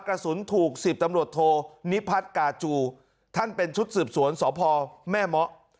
กระสุนถูก๑๐ตำรวจโทนิพัฒน์กาจูท่านเป็นชุดสืบสวนสพแม่เมาะ